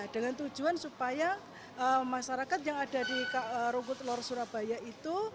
dengan tujuan supaya masyarakat yang ada di rumput lor surabaya itu